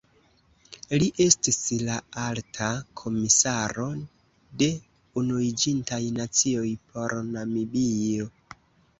Li estis la Alta Komisaro de Unuiĝintaj Nacioj por Namibio.